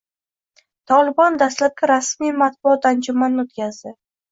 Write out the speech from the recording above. Tolibon dastlabki rasmiy matbuot anjumanini o‘tkazdi